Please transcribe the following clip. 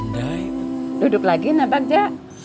duduk lagi nah bagja